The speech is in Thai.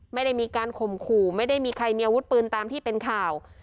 ไม่ได้มีการข่มขู่ไม่ได้มีใครมีอาวุธปืนตามที่เป็นข่าว